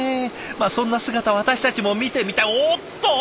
そんな姿私たちも見てみたいおっと！